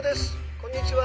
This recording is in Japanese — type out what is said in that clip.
こんにちは。